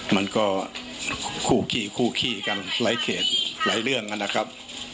มันก็คู่ขี้คู่ขี้กันหลายเขตหลายเรื่องนะครับ